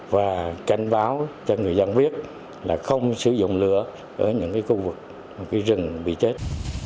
và cảnh báo cho người dân biết là không sử dụng lửa ở những khu vực rừng bị chết